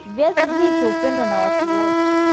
Viazi lishe hupendwa na watu wote